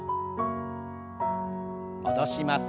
戻します。